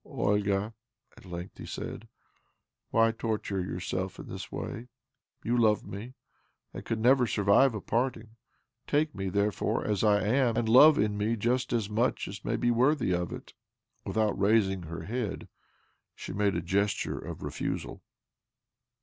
' Olga," at lengith he said, " why torture 228 OBLOMOV yourself in this way? You love me, and I could never survive a parting. Take me, 'therefore, as I am, and love in vase just so imuch as may be wiorthy of it." ^ Without raising her head, she made a gesture of refusal.